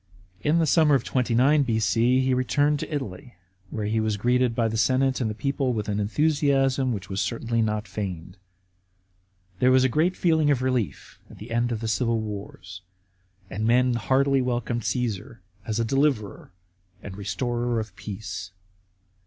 In the summer of 29 B.C. he returned to Italy, where he was greeted by the senate and the people with an enthusiasm which was certainly not feigned. There was a general feeling of relief at the end of the civil wars, and men heartily welcomed Cassar as a deliverer and restorer of peace.